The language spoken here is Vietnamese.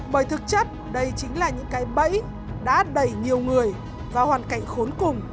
bởi thực chất đây chính là những cái bẫy đã đẩy nhiều người vào hoàn cảnh khốn cùng vì tín dụng đen